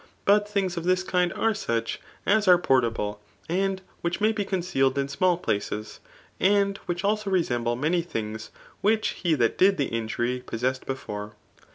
Bui things of this kind are such as are portable^ and which may be concealed in small plac^; and which also resemble many things which he that did the injury possessed before.